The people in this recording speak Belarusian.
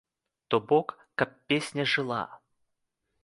То бок, каб песня жыла.